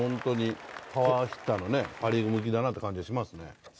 パワーヒッターのパ・リーグ向きだなという感じがしますね。